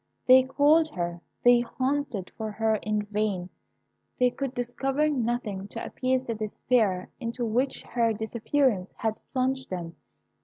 They called her, they hunted for her in vain. They could discover nothing to appease the despair into which her disappearance had plunged them.